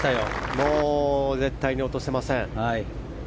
もう絶対に落とせません。